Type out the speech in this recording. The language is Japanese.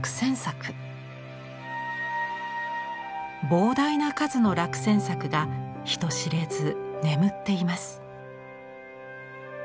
膨大な数の落選作が人知れず眠っています。